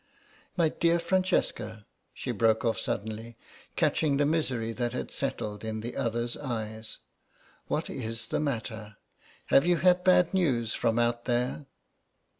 My dear Francesca," she broke off suddenly, catching the misery that had settled in the other's eyes, "what is the matter? Have you had bad news from out there?"